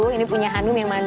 ini punya hanum yang mana